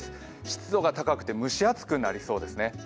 湿度が高くて蒸し暑くなりそうですね。